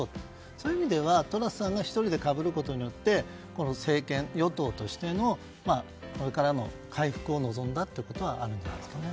そういう意味ではトラスさんが１人でかぶることで政権、与党としてのこれからの回復を望んだということはあるんじゃないですかね。